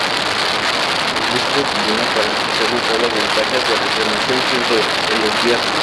Además hizo campaña para hacer notar las ventajas de la cremación frente al entierro.